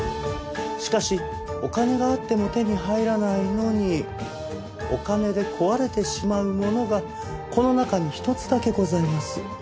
「しかしお金があっても手に入らないのにお金で壊れてしまうものがこの中に一つだけございます」